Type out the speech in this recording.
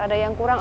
ada yang kurang